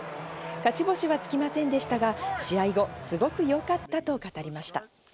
勝ち星はつきませんでしたが試合後、すごくよかったと語りました。